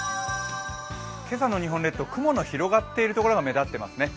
今朝の日本列島、雲の広がっているところが目立っていますね。